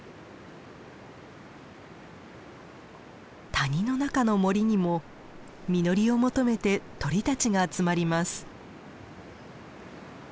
谷の中の森にも実りを求めて鳥たちが集まります。